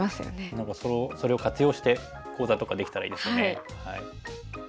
何かそれを活用して講座とかできたらいいですよね。